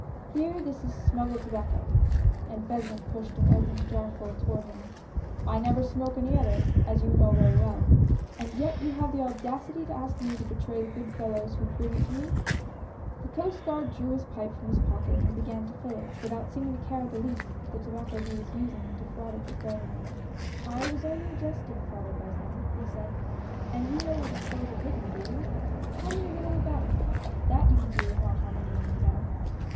Here, this is sinnggiecl tobacco, (and Beslin pushed an earthen jarfull toward him) I never smoke any other, as you know very well, and yet you have the audacity to ask me to betray the good fellows who bring it to me !" The Coast Guard drew his pipe from his pocket and began to fill it, without seeming to care in the least that the tobacco he was using had defrauded the revenue. " I was only jesting. Father Beslin," he said. " And you know where stores are hidden, do you ? Tell me a little about it, — that you can do and not harm any one, you know."